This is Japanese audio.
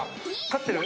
勝ってる？